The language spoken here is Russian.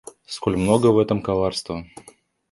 Сколь много в этом коварства!